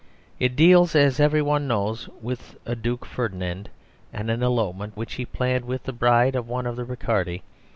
It deals, as every one knows, with a Duke Ferdinand and an elopement which he planned with the bride of one of the Riccardi.